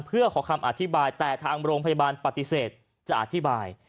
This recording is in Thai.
เพื่อขอคำอธิบายแต่ทางโรงพยาบาลปฏิเสธจะอธิบาย